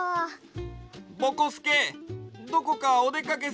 ぼこすけどこかおでかけするの？